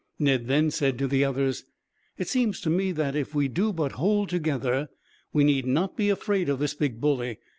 Ned then said to the others: "It seems to me that, if we do but hold together, we need not be afraid of this big bully.